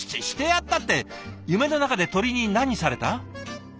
「してやった」って夢の中で鳥に何された？